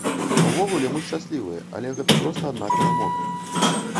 Увогуле, мы шчаслівыя, але гэта проста адна перамога.